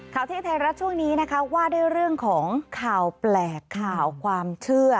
เทศไทยรัฐช่วงนี้นะคะว่าด้วยเรื่องของข่าวแปลกข่าวความเชื่อ